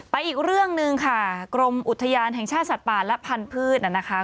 อีกเรื่องหนึ่งค่ะกรมอุทยานแห่งชาติสัตว์ป่าและพันธุ์นะคะ